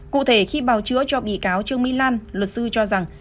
cụ thể khi bào chữa cho bị cáo trương mỹ lan luật sư cho rằng